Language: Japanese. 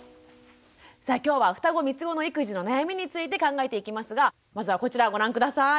さあ今日はふたご・みつごの育児の悩みについて考えていきますがまずはこちらご覧下さい。